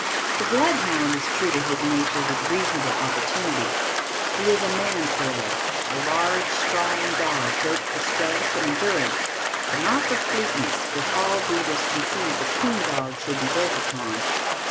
The bloodhound is true to his nature with reasonable opportunity. He is a man trailer, a large, strong dog, built for strength and endurance but not for fleetness which all breeders concede the 'coon dog should be built upon.